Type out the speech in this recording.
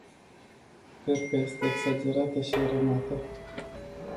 Cred că este exagerată și eronată.